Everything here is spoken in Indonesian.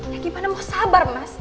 ya gimana mau sabar mas